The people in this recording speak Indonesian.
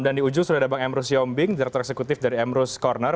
dan di ujung sudah ada bang emrus yombing direktur eksekutif dari emrus corner